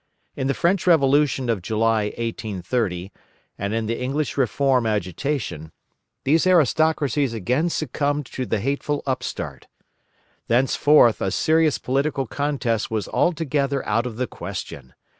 In the French revolution of July 1830, and in the English reform agitation, these aristocracies again succumbed to the hateful upstart. Thenceforth, a serious political contest was altogether out of the question.